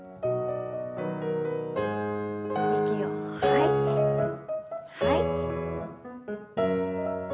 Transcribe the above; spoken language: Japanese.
息を吐いて吐いて。